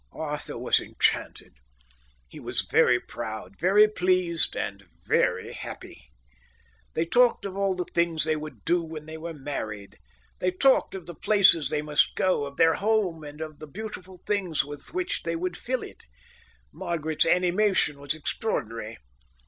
Arthur was enchanted. He was very proud, very pleased, and very happy. They talked of all the things they would do when they were married. They talked of the places they must go to, of their home and of the beautiful things with which they would fill it. Margaret's animation was extraordinary.